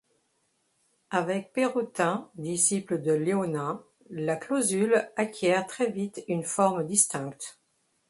Avec Pérotin, disciple de Léonin, la clausule acquiert très vite une forme distincte.